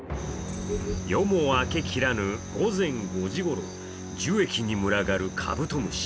夜も明け切らぬ午前５時ごろ、樹液に群がるカブトムシ。